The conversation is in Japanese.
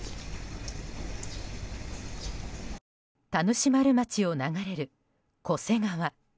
田主丸町を流れる巨瀬川。